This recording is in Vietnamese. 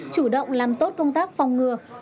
chủ động làm tốt công tác phòng ngừa